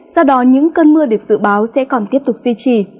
do đó những cơn mưa được dự báo sẽ còn tiếp tục duy trì